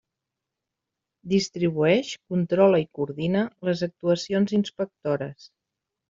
Distribueix, controla i coordina les actuacions inspectores.